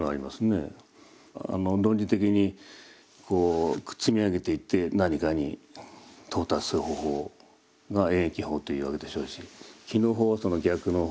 論理的にこう積み上げていって何かに到達する方法が演繹法というわけでしょうし帰納法はその逆の動きですよね。